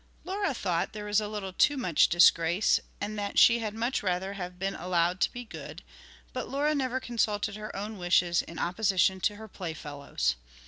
Laura thought there was a little too much disgrace, and that she had much rather have been allowed to be good; but Laura never consulted her own wishes in opposition to her playfellows.